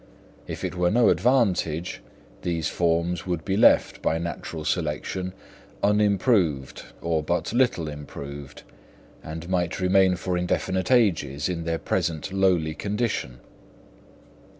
If it were no advantage, these forms would be left, by natural selection, unimproved or but little improved, and might remain for indefinite ages in their present lowly condition.